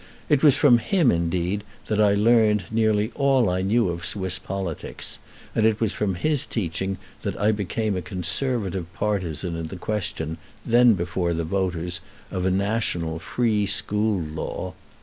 It was from him, indeed, that I learned nearly all I knew of Swiss politics, and it was from his teaching that I became a conservative partisan in the question, then before the voters, of a national free school law.